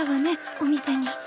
お店に。